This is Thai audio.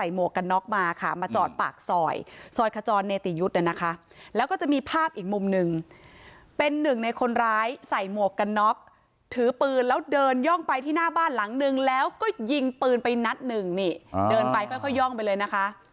หน้าบ้านหลังนึงแล้วก็ยิงปืนไปนัดหนึ่งนี่เดินไปค่อยย่องไปเลยนะคะ